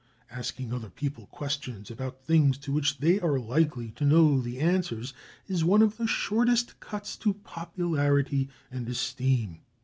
Asking other people questions about things to which they are likely to know the answers is one of the shortest cuts to popularity and esteem.